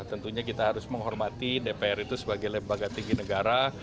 tentunya kita harus menghormati dpr itu sebagai lembaga tinggi negara